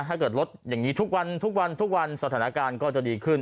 ถ้าเกิดลดอย่างนี้ทุกวันทุกวันทุกวันสถานการณ์ก็จะดีขึ้น